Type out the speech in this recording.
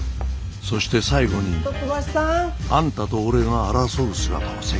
そして最後にあんたと俺が争う姿を世間にさらす。